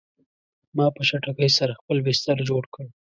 ما په چټکۍ سره خپل بستر جوړ کړ